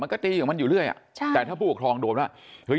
มันก็ตีอย่างมันอยู่เรื่อยอะแต่ถ้าผู้ปกครองโดบแล้ว